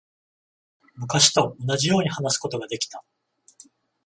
昔と同じように話すことができた。